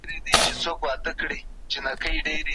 وړوکی بوټی سه چي شین وي د ویالې پر څنډه